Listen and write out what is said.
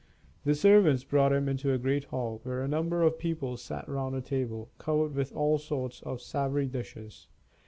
The servants brought him into a great hall, where a number of people sat round a table, covered with all sorts of savory dishes.